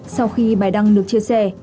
sau khi bài đăng được chia sẻ